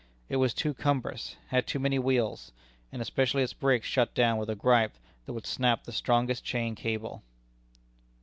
It was too cumbrous, had too many wheels, and especially its brakes shut down with a gripe that would snap the strongest chain cable.